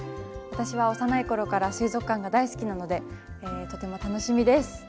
私は幼い頃から水族館が大好きなのでとても楽しみです。